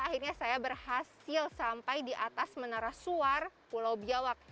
akhirnya saya berhasil sampai di atas menara suar pulau biawak